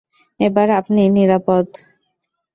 এবার আপনি নিরাপদ।